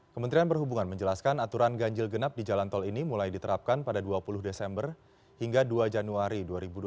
kementerian perhubungan menjelaskan aturan ganjil genap di jalan tol ini mulai diterapkan pada dua puluh desember hingga dua januari dua ribu dua puluh